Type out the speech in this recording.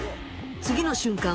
次の瞬間